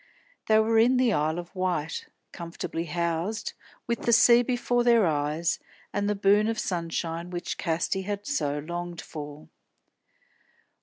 They were in the Isle of Wight; comfortably housed, with the sea before their eyes, and the boon of sunshine which Casti had so longed for.